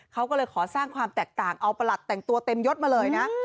เขาก็เลยขอสร้างความแตกต่างเอาประหลัดแต่งตัวเต็มยดมาเลยนะ